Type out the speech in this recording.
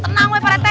tenang pak rete